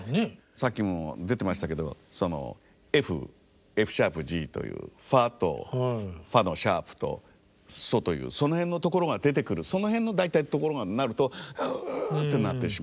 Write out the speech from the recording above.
さっきも出てましたけどＦ・Ｆ＃・Ｇというファとファのシャープとソというその辺のところが出てくるその辺の大体ところがなるとはあぁってなってしまうっていう。